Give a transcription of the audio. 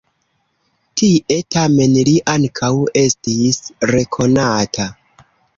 Tie, tamen, li ankaŭ estis rekonata.